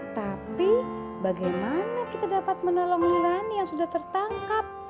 tapi bagaimana kita dapat menolong nirani yang sudah tertangkap